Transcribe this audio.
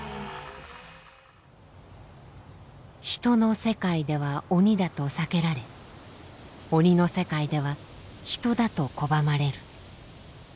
人の世界では「鬼だ」と避けられ鬼の世界では「人だ」と拒まれる。